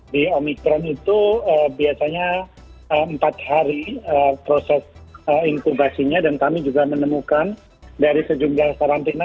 di omikron itu biasanya empat hari proses inkubasinya dan kami juga menemukan dari sejumlah karantina